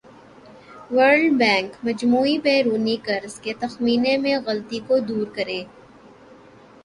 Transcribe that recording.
world Bank مجموعی بیرونی قرض کے تخمینے میں غلطی کو دور کرے